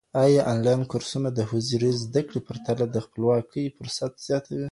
ايا انلاين کورسونه د حضوري زده کړې په پرتله د خپلواکي فرصت زیاتوي؟